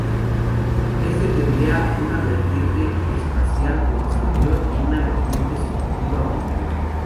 Éste tendría una vertiente espacial o exterior y una vertiente subjetiva o interior.